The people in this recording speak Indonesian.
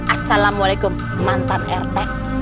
assalamualaikum mantan rt